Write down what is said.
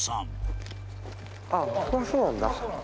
あっここがそうなんだ。